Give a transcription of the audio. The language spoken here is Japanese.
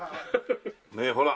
ねえほら。